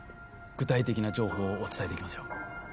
具体的な情報をお伝えできますよ